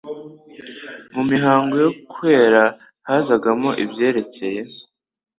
Mu mihango yo kwera hazagamo ibyerekeye